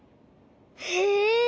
へえ。